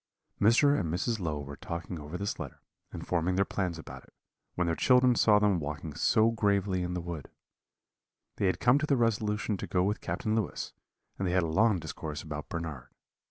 "Mr. and Mrs. Low were talking over this letter, and forming their plans about it, when their children saw them walking so gravely in the wood. They had come to the resolution to go with Captain Lewis, and they had a long discourse about Bernard.